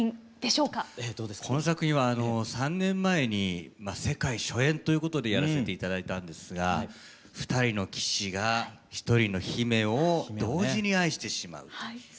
この作品は３年前に世界初演ということでやらせて頂いたんですが２人の騎士が１人の姫を同時に愛してしまうという。